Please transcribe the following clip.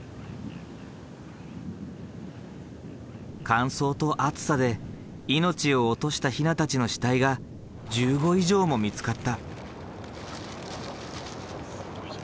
乾燥と暑さで命を落としたヒナたちの死体が１５以上も見つかった。